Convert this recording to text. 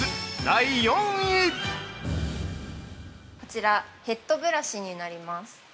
第４位◆こちら、ヘッドブラシになります。